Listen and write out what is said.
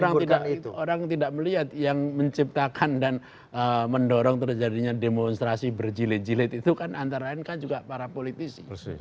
orang tidak melihat yang menciptakan dan mendorong terjadinya demonstrasi berjilid jilid itu kan antara lain kan juga para politisi